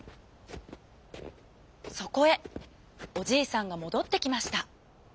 そこへおじいさんがもどってきました！